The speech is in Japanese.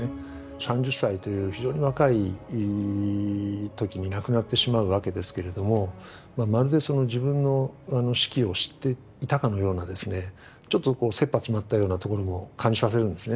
３０歳という非常に若い時に亡くなってしまうわけですけれどもまるで自分の死期を知っていたかのようなですねちょっとせっぱ詰まったようなところも感じさせるんですね。